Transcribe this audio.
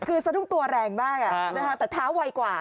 คือสนุกตัวแรงมากอ่ะแต่เท้าไวกว่า